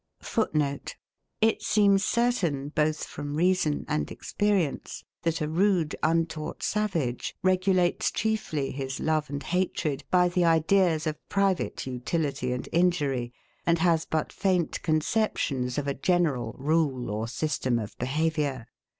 [Footnote: It seems certain, both from reason and experience, that a rude, untaught savage regulates chiefly his love and hatred by the ideas of private utility and injury, and has but faint conceptions of a general rule or system of behaviour.